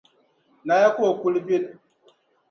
Naya ka o kuli be o nachimbilim ni hali ni zuŋɔ.